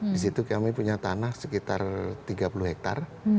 di situ kami punya tanah sekitar tiga puluh hektare